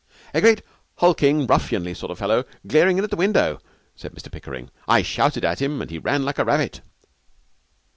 'A great, hulking, ruffianly sort of fellow glaring in at the window,' said Mr Pickering. 'I shouted at him and he ran like a rabbit.'